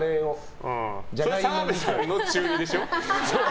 それは澤部さんの中２でしょ。